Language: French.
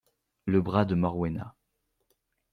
Le bras de Morwena.